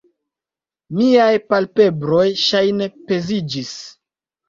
Miaj palpebroj ŝajne peziĝis.